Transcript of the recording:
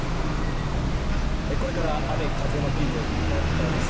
これから雨風のピークを迎えます